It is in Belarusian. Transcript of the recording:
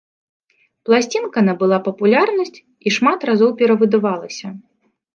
Пласцінка набыла папулярнасць і шмат разоў перавыдавалася.